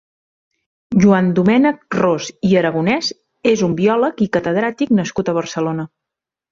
Joandomènec Ros i Aragonès és un biòleg i catedràtic nascut a Barcelona.